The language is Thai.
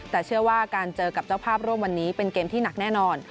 แต่เชื่อว่าการเจอกับเจ้าภาพร่วมวันนี้เป็นเกมที่หนักแน่นอน